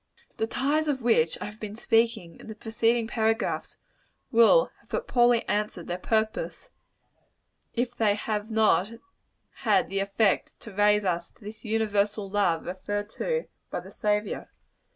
The ties of which I have been speaking, in the preceding paragraphs, will have but poorly answered their purpose, if they have not had the effect to raise us to this universal love referred to by the Saviour.